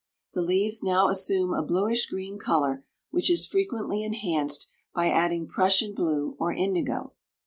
The leaves now assume a bluish green color, which is frequently enhanced by adding Prussian blue or indigo.